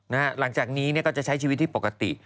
นะฮะหลังจากนี้เนี่ยก็จะใช้ชีวิตที่ปกติ